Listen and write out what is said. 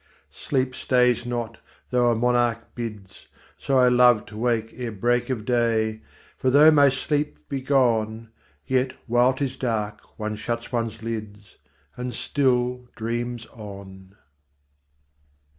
10 Sleep stays not, though a monarch bids: So I love to wake ere break of day: For though my sleep be gone, Yet while 'tis dark, one shuts one's lids, And still dreams on.